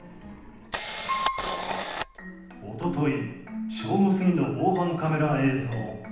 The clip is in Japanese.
一昨日正午過ぎの防犯カメラ映像。